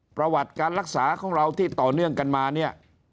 ประวัติการรักษาของเราที่ต่อเนื่องกันมาเนี่ย